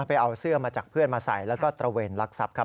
ไปเอาเสื้อมาจากเพื่อนมาใส่แล้วก็ตระเวนลักทรัพย์ครับ